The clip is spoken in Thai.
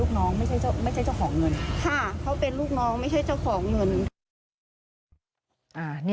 ค่ะเขาเป็นลูกน้องไม่ใช่เจ้าของเงิน